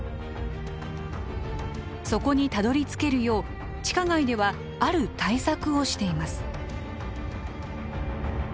そこにたどりつけるよう地下街ではある対策をしています。